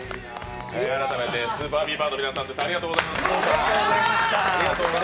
改めてＳＵＰＥＲＢＥＡＶＥＲの皆さんです。